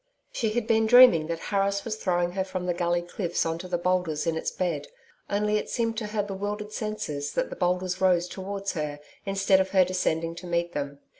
She had been dreaming that Harris was throwing her from the gully cliffs on to the boulders in its bed only it seemed to her bewildered senses that the boulders rose towards her instead of her descending to meet them.